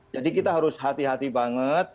jadi kita harus hati hati banget